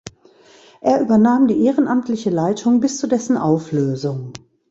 Er übernahm die ehrenamtliche Leitung bis zu dessen Auflösung.